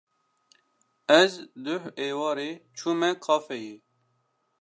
Ez duh êvarê çûme kafeyê.